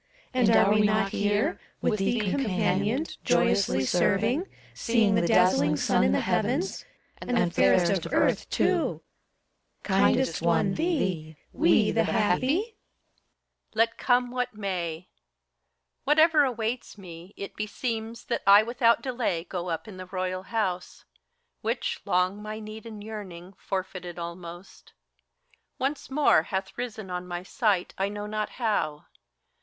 And are we not here, 136 FAUST. With thee companioned, joyously serving, Seeing the dazzling sun in the heavens, And the fairest of earth, too, — Eandest one, thee, — ^we, the happy t HELENA. Let come, what may ! Whatever awaits me, it beseems That I without delay go up in the Royal House, Which, long my need and yearning, forfeited almost. Once more hath risen on my sight, I know not how.